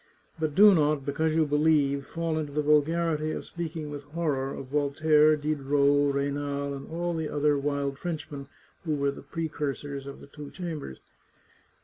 But do not, because you believe, fall into the vulgarity of speaking with horror of Voltaire, Diderot, Raynal, and all the other wild Frenchmen who were the precursors of the two Chambers.